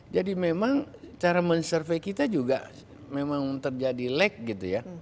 jadi memang cara men survey kita juga memang terjadi lag gitu ya